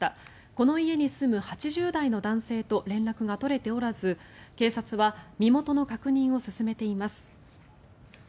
この家に住む８０代の男性と連絡が取れておらず警察は身元の確認を進めています。